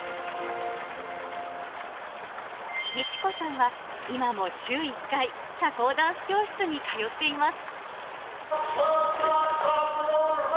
道子さんは、今も週１回、社交ダンス教室に通っています。